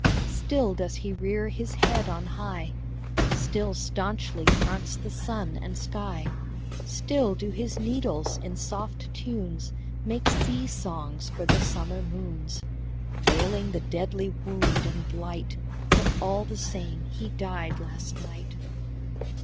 Still does he rear his head on high, Still stanchly fronts the sun and sky, Still do his needles in soft tunes Make sea songs for the summer moons, Veiling the deadly wound and blight ; But all the same he died last night.